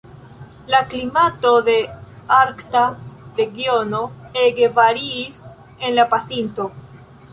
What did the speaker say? La klimato de Arkta regiono ege variis en la pasinto.